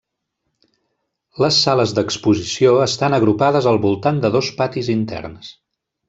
Les sales d'exposició estan agrupades al voltant de dos patis interns.